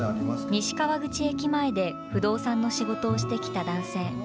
西川口駅前で不動産の仕事をしてきた男性。